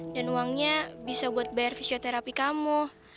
dan uangnya bisa buat bayar fisioterapi kamu